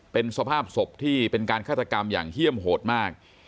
เป็นสภาพศพที่เป็นการฆาตกรรมอย่างเฮี่ยมโหดมาก